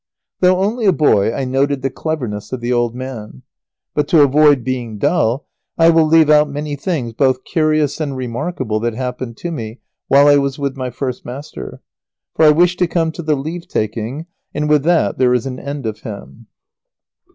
Though only a boy I noted the cleverness of the old man. But to avoid being dull I will leave out many things both curious and remarkable that happened to me while I was with my first master, for I wish to come to the leave taking, and with that there is an end of him.